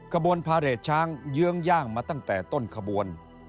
ขบวนพาเรทช้างเยื้องย่างมาตั้งแต่ต้นขบวน